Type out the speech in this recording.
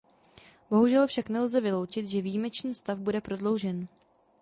Bohužel však nelze vyloučit, že výjimečný stav bude prodloužen.